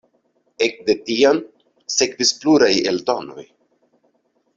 Ekde tiam sekvis pluraj eldonoj.